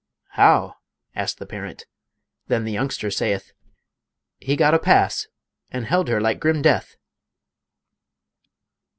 "How?" asked the parent; then the youngster saith: "He got a pass, and held her like grim death."